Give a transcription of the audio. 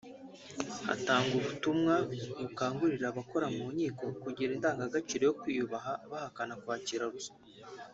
hatangwa ubutumwa bukangurira abakora mu nkiko kugira indangagaciro yo kwiyubaha bahakana kwakira ruswa